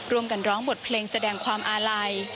ร้องกันร้องบทเพลงแสดงความอาลัย